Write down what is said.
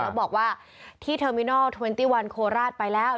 แล้วบอกว่าที่เทอร์มินอล๒๑โคราชไปแล้ว